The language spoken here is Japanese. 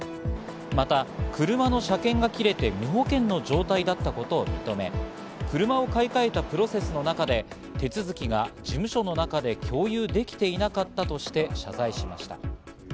また車の車検が切れて無保険の状態だったことを認め、車を買い替えたプロセスの中で手続きが事務所の中で共有できていなかったとして謝罪しました。